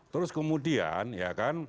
terus kemudian ya kan